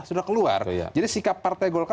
sudah keluar jadi sikap partai golkar